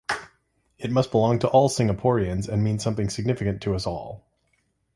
It must belong to all Singaporeans and mean something significant to us all.